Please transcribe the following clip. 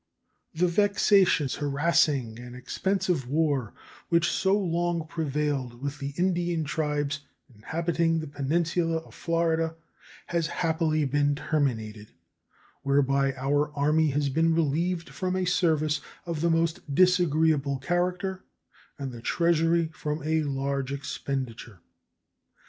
The vexatious, harassing, and expensive war which so long prevailed with the Indian tribes inhabiting the peninsula of Florida has happily been terminated, whereby our Army has been relieved from a service of the most disagreeable character and the Treasury from a large expenditure.